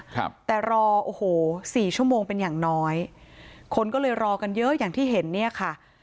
ครับแต่รอโอ้โหสี่ชั่วโมงเป็นอย่างน้อยคนก็เลยรอกันเยอะอย่างที่เห็นเนี่ยค่ะ